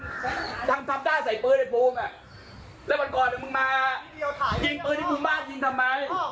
ยิงไม่เริ่มคนนึงอะ